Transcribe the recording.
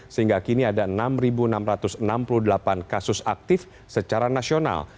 sehingga kini ada enam enam ratus enam puluh delapan kasus aktif secara nasional